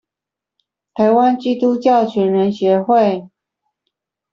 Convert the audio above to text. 臺灣基督教全人協會